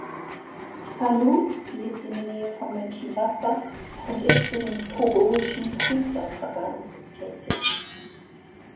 Salou lebt in der Nähe von Mönchengladbach und ist für den togoischen Fußballverband tätig.